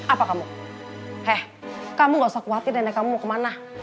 apa kamu heh kamu gak usah khawatir nenek kamu mau kemana